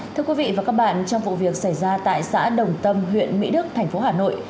thưa quý vị và các bạn trong vụ việc xảy ra tại xã đồng tâm huyện mỹ đức thành phố hà nội